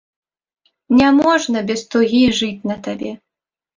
Няможна без тугі жыць на табе.